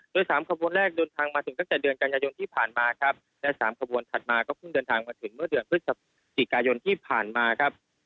โดยสามขบวนแรกเดินทางมาถึงตั้งแต่เดือนกันยายนที่ผ่านมาครับและสามขบวนถัดมาก็เพิ่งเดินทางมาถึงเมื่อเดือนพฤศจิกายนที่ผ่านมาครับ